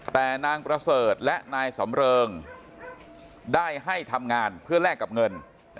แต่นางประเสริฐและนายสำเริงได้ให้ทำงานเพื่อแลกกับเงิน